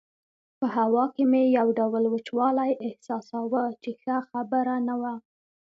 په هوا کې مې یو ډول وچوالی احساساوه چې ښه خبره نه وه.